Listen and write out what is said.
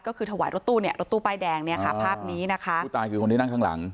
ก็คือถวายรถตู้เนี่ยรถตู้ป้ายแดงเนี่ยค่ะภาพนี้นะคะผู้ตายคือคนที่นั่งข้างหลัง